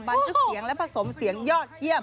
บันทึกเสียงและผสมเสียงยอดเยี่ยม